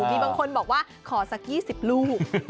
มีบางคนบอกว่าขอสัก๒๐ลูก